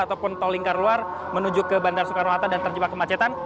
ataupun tol lingkar luar menuju ke bandara soekarno hatta dan terjebak kemacetan